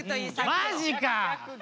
マジか！